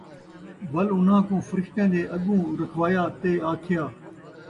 وَل اُنھاں کوں فرشتیاں دے اَڳوں رَکھوایا، تے آکھیا ،